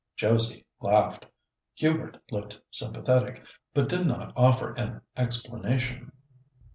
Josie laughed. Hubert looked sympathetic, but did not offer an explanation.